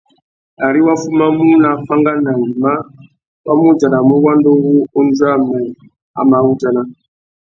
Ari wá fumamú nà afánganangüima, wá mù udjanamú wanda uwú undjuê a mà wu udjana.